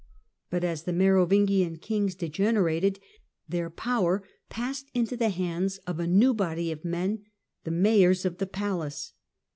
But as the Merovingian kings degenerated their wwer passed into the hands of a new body of men — he Mayors of the Palace.